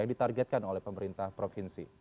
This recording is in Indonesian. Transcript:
yang ditargetkan oleh pemerintah provinsi